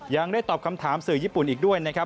ยังได้ตอบคำถามสื่อญี่ปุ่นอีกด้วยนะครับ